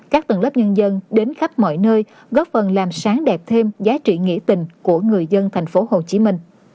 các tầng lớp nhân dân đến khắp mọi nơi góp phần làm sáng đẹp thêm giá trị nghỉ tình của người dân tp hcm